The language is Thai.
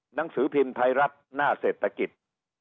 หนังสือพิมพ์ไทยรัฐหน้าเศรษฐกิจ